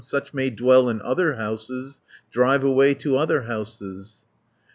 Such may dwell in other houses: Drive away to other houses."